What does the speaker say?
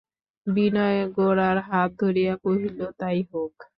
বিনয় গোরার হাত ধরিয়া কহিল, তাই হোক।